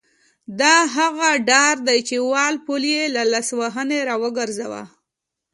دا هغه ډار دی چې وال پول یې له لاسوهنې را وګرځاوه.